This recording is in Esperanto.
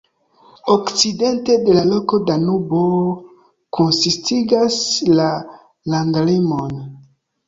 Okcidente de la loko Danubo konsistigas la landlimon.